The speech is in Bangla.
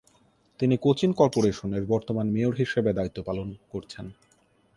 তিনি কোচিন কর্পোরেশনের বর্তমান মেয়র হিসাবে দায়িত্ব পালন করছেন।